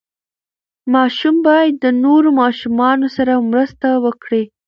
ماشوم باید د نورو ماشومانو سره مرسته وکړي.